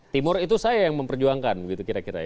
timur itu saya yang memperjuangkan begitu kira kira ya